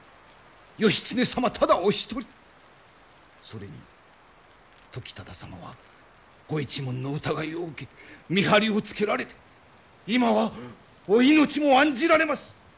それに時忠様はご一門の疑いを受け見張りをつけられて今はお命も案じられます！